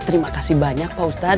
terima kasih banyak pak ustadz